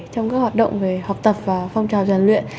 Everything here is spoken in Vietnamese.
trong các hoạt động về học tập và phong trào giàn luyện